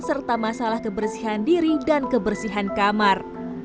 serta masalah kebersihan diri dan kebersihan kamar